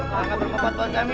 sangat bermanfaat buat kami